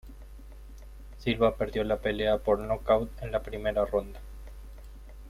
Silva perdió la pelea por nocaut en la primera ronda.